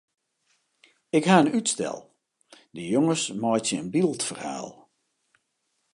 Ik ha in útstel: de jonges meitsje in byldferhaal.